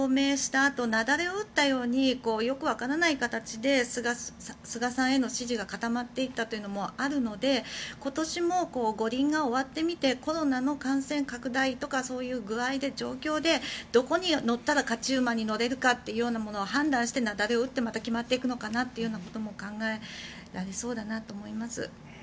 あと雪崩を打ったようによくわからない形で菅さんへの支持が固まっていったというのもあるので今年も五輪が終わってみてコロナの感染拡大とかそういう具合で、状況でどこに乗ったら勝ち馬に乗れるかというようなものを判断して雪崩を打ってまた決まっていくのかなと考えられそうだなと思います。